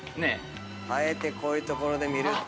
あえてこういう所で見るって。